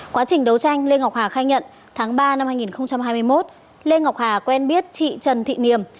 quá trình đấu tranh lê ngọc hà khai nhận tháng ba năm hai nghìn hai mươi một lê ngọc hà quen biết chị trần thị niềm